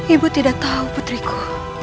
ibu tidak tahu putriku